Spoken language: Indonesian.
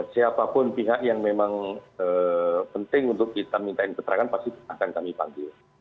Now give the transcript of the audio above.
siapapun pihak yang memang penting untuk kita minta keterangan pasti akan kami panggil